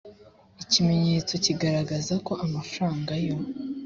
ikimenyetso kigaragaza ko amafaranga yo